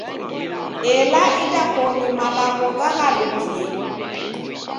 Ela idakoni malagho ghaghalukie.